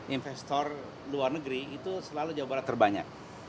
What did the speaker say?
investor luar negeri itu selalu jawa barat terbanyak